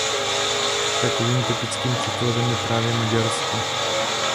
Takovým typickým příkladem je právě Maďarsko.